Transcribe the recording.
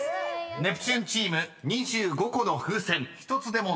［ネプチューンチーム２５個の風船１つでも残せれば勝利］